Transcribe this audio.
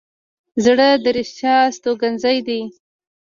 زړه د رښتیا استوګنځی دی.